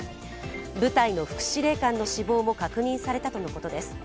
部隊の副司令官の死亡も確認されたとのことです。